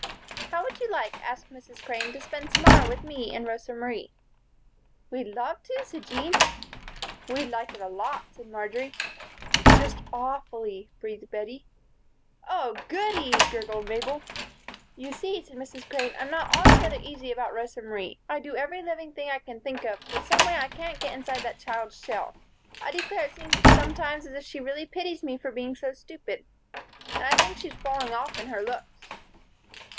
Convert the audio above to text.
"How would you like," asked Mrs. Crane, "to spend to morrow with me and Rosa Marie?" "We'd love to," said Jean. "We'd like it a lot," said Marjory. "Just awfully," breathed Bettie. "Oh, goody!" gurgled Mabel. "You see," said Mrs. Crane, "I'm not altogether easy about Rosa Marie. I do every living thing I can think of, but someway I can't get inside that child's shell. I declare, it seems sometimes as if she really pities me for being so stupid. And I think she's falling off in her looks."